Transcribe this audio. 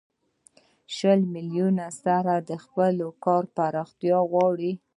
شلو میلیونو سره د خپل کار پراختیا غواړي